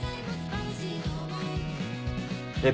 えっ？